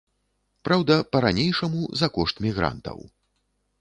Праўда, па-ранейшаму за кошт мігрантаў.